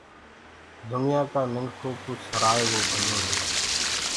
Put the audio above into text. دنيآ منکُ ڪوُ سرآئي وو ڀلو هي۔